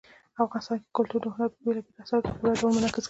افغانستان کې کلتور د هنر په بېلابېلو اثارو کې په پوره ډول منعکس کېږي.